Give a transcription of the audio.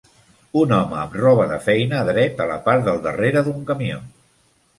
Un home amb roba de feina dret a la part del darrere d'un camió.